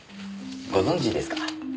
ご存じですか？